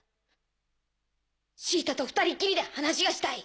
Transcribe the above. シータと２人っきりで話がしたい。